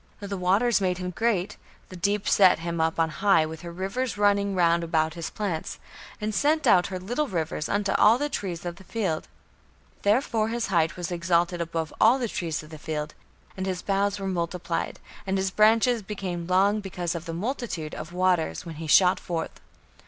The waters made him great, the deep set him up on high with her rivers running round about his plants, and sent out her little rivers unto all the trees of the field. Therefore his height was exalted above all the trees of the field, and his boughs were multiplied, and his branches became long because of the multitude of waters when he shot forth.